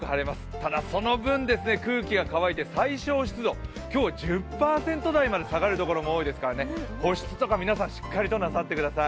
ただその分、空気がよく乾いて最小湿度今日、１０％台まで下がる所が多いですからね、保湿とか、皆さんしっかりとなさってください。